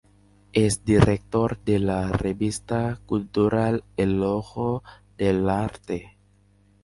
Es director de la revista cultural "El ojo del arte".